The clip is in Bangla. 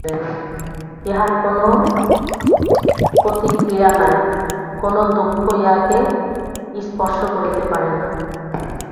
ইহার কোন প্রতিক্রিয়া নাই, কোন দুঃখ ইহাকে স্পর্শ করিতে পারে না।